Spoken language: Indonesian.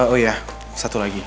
oh iya satu lagi